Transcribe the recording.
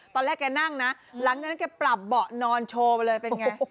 แกนั่งนะหลังจากนั้นแกปรับเบาะนอนโชว์ไปเลยเป็นไง